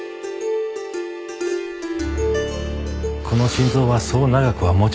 この心臓はそう長くは持ちません。